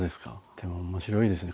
でも面白いですね。